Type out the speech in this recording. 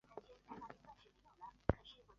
高盛投资亚洲区副总裁。